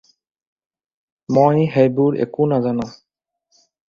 মই সেইবোৰ একো নাজানো।